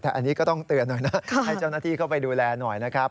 แต่อันนี้ก็ต้องเตือนหน่อยนะให้เจ้าหน้าที่เข้าไปดูแลหน่อยนะครับ